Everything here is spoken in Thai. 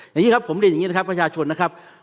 อย่างนี้ครับผมเรียนอย่างนี้นะครับประชาชนนะครับ